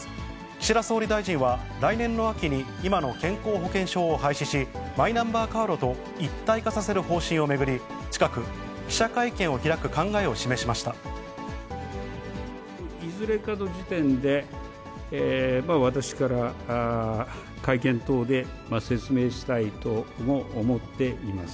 岸田総理大臣は、来年の秋に今の健康保険証を廃止し、マイナンバーカードと一体化させる方針を巡り、近く、いずれかの時点で、私から会見等で説明したいとも思っています。